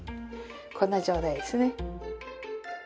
こんな状態ですね。